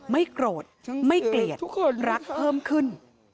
ไม่โกรธไม่เกลียดรักเพิ่มขึ้น